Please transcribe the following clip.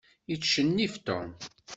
Yettcennif Tom.